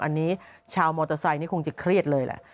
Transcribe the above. อันนี้ชาวมอเตอร์ไซค์นี่คงจะเครียดเลยแหละ